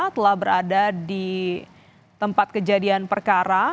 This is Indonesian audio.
telah berada di tempat kejadian perkara